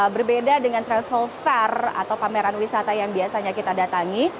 berbeda dengan travel fair atau pameran wisata yang biasanya kita datangi